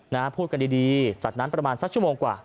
นะฮะพูดกันดีดีจากนั้นประมาณสักชั่วโมงกว่า